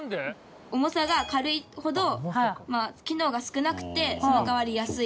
重さが軽いほどまあ機能が少なくてその代わり安い。